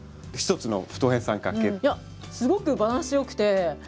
すごくバランスよくて。